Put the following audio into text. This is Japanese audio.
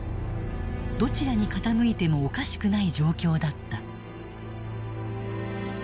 どちらに傾いてもおかしくない状況だった。